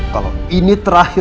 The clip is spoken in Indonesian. kalau ini terakhir